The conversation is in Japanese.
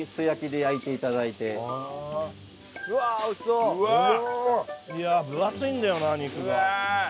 いや分厚いんだよな肉が。